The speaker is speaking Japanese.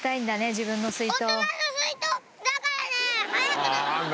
自分の水筒。